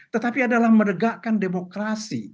tetapi adalah menegakkan demokrasi